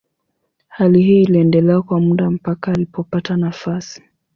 Hali hii iliendelea kwa muda mpaka alipopata nafasi.